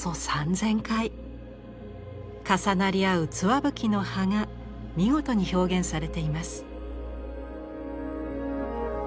重なり合うツワブキの葉が見事に表現されています。